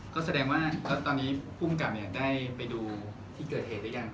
ก็แสดงว่าตอนนี้ภูมิกรรมได้ไปดูที่เกิดเหตุได้ยัง